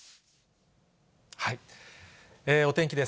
お天気です。